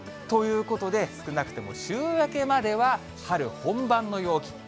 ということで、少なくとも週明けまでは、春本番の陽気。